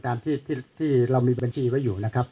ตามที่เรามีบัญชีไว้อยู่นะครับ